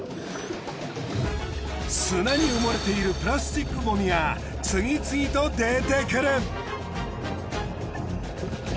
砂に埋もれているプラスチックごみが次々と出てくる！